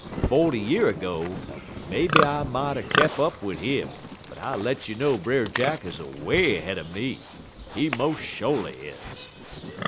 Forty year ergo, maybe I mought er kep' up wid 'im, but I let you know Brer Jack is away 'head er me. He mos' sho'ly is."